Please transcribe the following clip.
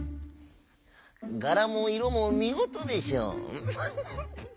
「がらもいろもみごとでしょう」。